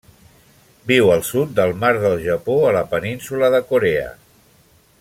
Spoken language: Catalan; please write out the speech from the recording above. Viu al sud del mar del Japó a la península de Corea.